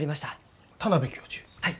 はい。